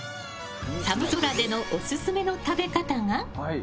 寒空でのオススメの食べ方が。